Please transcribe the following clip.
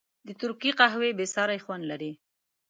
د ترکي قهوه بېساری خوند لري.